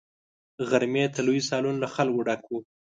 غرمې ته لوی سالون له خلکو ډک وو.